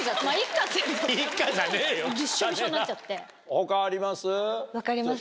他あります？